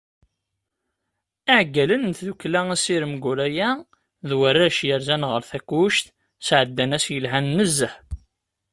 Iεeggalen n tdukkla Asirem Guraya d warrac i yerzan ɣer Takkuct, sεeddan ass yelhan nezzeh.